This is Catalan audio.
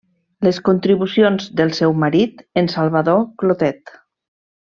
Les contribucions del seu marit, en Salvador Clotet.